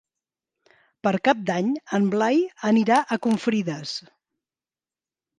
Per Cap d'Any en Blai anirà a Confrides.